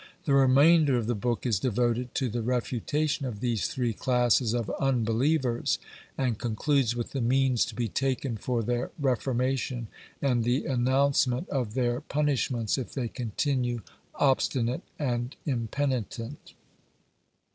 The remainder of the book is devoted to the refutation of these three classes of unbelievers, and concludes with the means to be taken for their reformation, and the announcement of their punishments if they continue obstinate and impenitent.